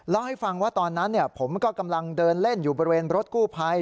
เล่าให้ฟังว่าตอนนั้นผมก็กำลังเดินเล่นอยู่บริเวณรถกู้ภัย